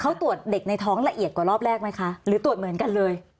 เขาตรวจเด็กในท้องละเอียดกว่ารอบแรกไหมคะหรือตรวจเหมือนกันเลย